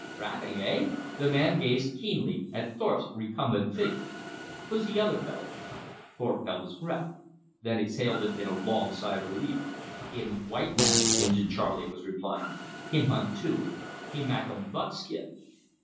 "Trapping, eh?" The man gazed keenly at Thorpe's recumbent figure. "Who's the other fellow?" Thorpe held his breath; then exhaled it in a long sigh of relief. "Him white man," Injin Charley was replying, "him hunt too. He mak' 'um buckskin."